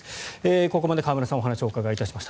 ここまで河村さんにお話を伺いました。